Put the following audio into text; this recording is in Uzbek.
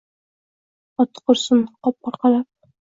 Oti qursin, qop orqalab